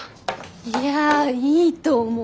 いやいいと思う。